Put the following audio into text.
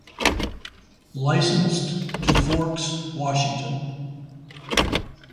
Licensed to Forks, Washington.